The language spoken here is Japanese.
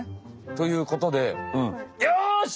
ということでよし！